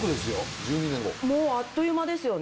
あっという間ですよね。